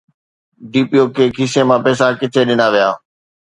D P O کي کيسي مان پئسا ڪٿي ڏنا ويا؟